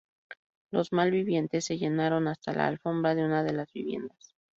Los mal vivientes se llevaron hasta la alfombra de una de las viviendas.